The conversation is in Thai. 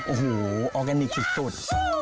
โอฮู้ออร์แกนิคสุดสุด